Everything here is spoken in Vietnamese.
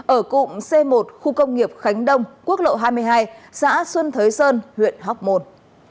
ở cụm c một khu công nghiệp khánh đông quốc lộ hai mươi hai xã xuân thới sơn huyện hóc môn